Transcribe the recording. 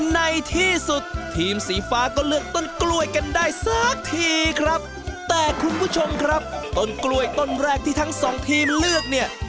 ในที่สุดทีมสีฟ้าก็เลือกต้นกล้วยกันได้สักทีครับแต่คุณผู้ชมครับต้นกล้วยต้นแรกที่ทั้งสองทีมเลือกเนี่ย